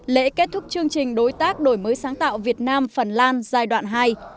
lễ kết thúc chương trình đối tác đổi mới sáng tạo việt nam phần lan giai đoạn hai